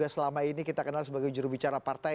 selama ini kita kenal sebagai jurubicara partai